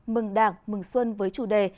mừng đảng mừng xuân với chủ đề